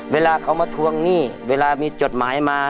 เวลาเขามาทวงหนี้เวลามีจดหมายมา